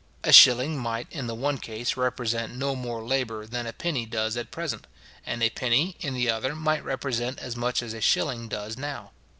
A shilling might, in the one case, represent no more labour than a penny does at present; and a penny, in the other, might represent as much as a shilling does now.